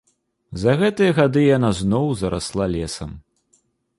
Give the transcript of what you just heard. За гэтыя гады яна зноў зарасла лесам.